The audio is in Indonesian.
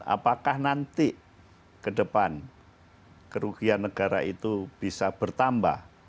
apakah nanti ke depan kerugian negara itu bisa bertambah